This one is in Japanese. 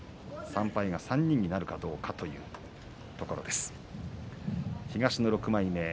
３敗が３人になるかどうかという土俵上です。